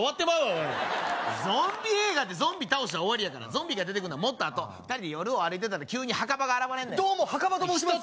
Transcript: おいゾンビ映画ってゾンビ倒したら終わりやゾンビが出てくるのはもっとあと２人で夜を歩いてたら急に墓場が現れんねんどうも墓場と申します